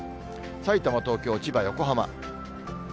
さいたま、東京、千葉、横浜。